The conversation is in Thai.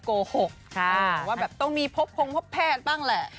โกหกว่าต้องมีพบพงพบแภดบ้างแหละ